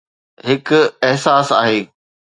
هڪ احساس آهي